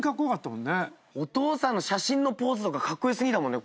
お父さんの写真のポーズとかカッコ良過ぎだもんね。